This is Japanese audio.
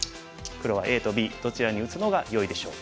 黒はＡとＢどちらに打つのがよいでしょうか。